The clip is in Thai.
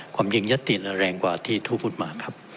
ความยิ่งยศติแรงกว่าที่ทุกทธิพย์มาครับ